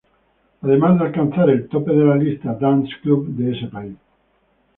Además de alcanzar el tope de la lista "dance club" de ese país.